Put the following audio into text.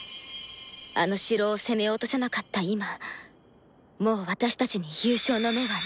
あの城を攻め落とせなかった今もう私たちに優勝の目はない。